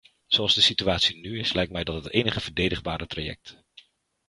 Zoals de situatie nu is, lijkt mij dat het enig verdedigbare traject.